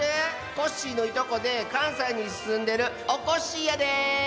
コッシーのいとこでかんさいにすんでるおこっしぃやで。